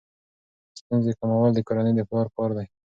ستونزې کمول د کورنۍ د پلار کار دی.